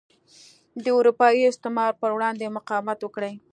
د اروپايي استعمار پر وړاندې مقاومت وکړي.